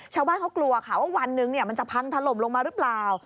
ชาวบ้านเขากลัวค่ะว่าวันหนึ่งมันจะพังถล่มลงมาหรือเปล่า